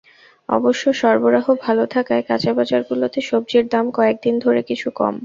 অবশ্য সরবরাহ ভালো থাকায় কাঁচাবাজারগুলোতে সবজির দাম কয়েক দিন ধরে কিছু কম।